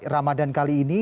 ramadan kali ini